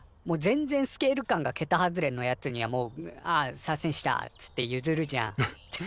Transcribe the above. もう全然スケール感がけた外れのやつにはもう「あっサーセンした」っつってゆずるじゃん。